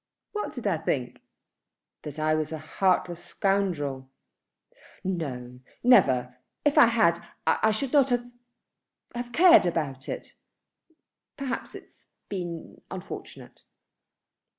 "What did I think?" "That I was a heartless scoundrel." "No, never. If I had, I should not have, have cared about it. Perhaps it has been unfortunate."